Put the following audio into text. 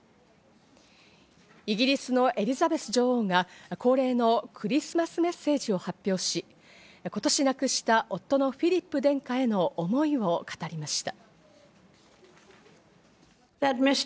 イギリスのエリザベス女王が恒例のクリスマスメッセージを発表し、今年、亡くした夫のフィリップ殿下への思いを語りました。